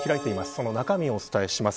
その中身をお伝えします。